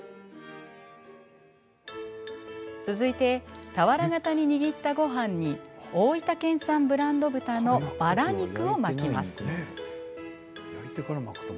続いて、俵形に握ったごはんに大分県産ブランド豚のバラ肉を巻きます。